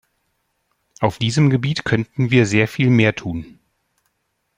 Auf diesem Gebiet könnten wir sehr viel mehr tun.